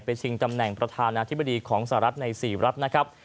ชิงตำแหน่งประธานาธิบดีของสหรัฐใน๔รัฐนะครับ